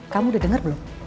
kamu udah denger belum